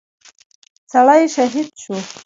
سړى شهيد شو.